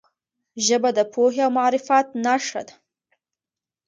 ژبه د پوهې او معرفت نښه ده.